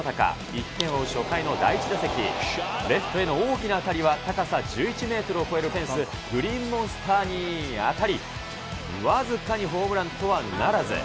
１点を追う初回の第１打席、レフトへの大きな当たりは高さ１１メートルを超えるフェンス、グリーンモンスターに当たり、僅かにホームランとはならず。